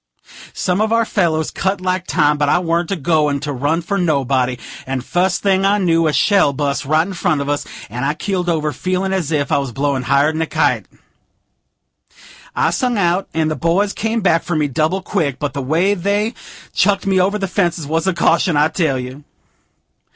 Some of our fellows cut like time; but I warn't a goin' to run for nobody; and, fust thing I knew, a shell bust, right in front of us, and I keeled over, feelin' as if I was blowed higher'n a kite. I sung out, and the boys come back for me, double quick; but the way they chucked me over them fences was a caution, I tell you.